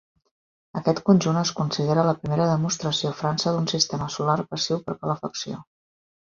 Aquest conjunt es considera la primera demostració a França d'un sistema solar passiu per calefacció.